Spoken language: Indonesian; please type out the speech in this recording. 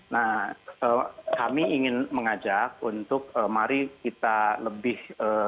nah kami ingin mengajak untuk mari kita lebih